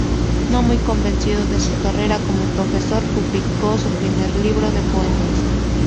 No muy convencido de su carrera como profesor, publicó su primer libro de poemas.